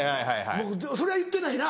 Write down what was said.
それは言ってないな？